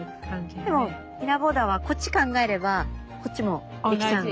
でもミラーボーダーはこっち考えればこっちも出来ちゃうので。